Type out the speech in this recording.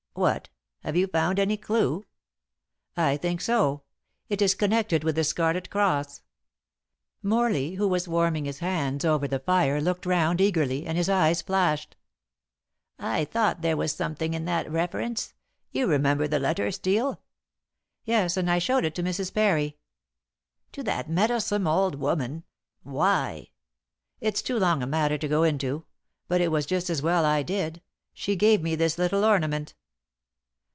"What? Have you found any clue?" "I think so. It is connected with the Scarlet Cross." Morley, who was warming his hands over the fire, looked round eagerly, and his eyes flashed. "I thought there was something in that reference. You remember the letter, Steel?" "Yes. And I showed it to Mrs. Parry." "To that meddlesome old woman. Why?" "It's too long a matter to go into. But it was just as well I did. She gave me this little ornament."